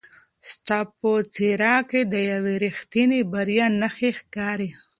ستا په څېره کې د یوې رښتینې بریا نښې ښکاري.